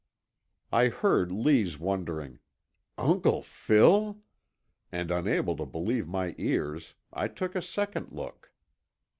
I heard Lee's wondering, "Uncle Phil?" and unable to believe my ears I took a second look.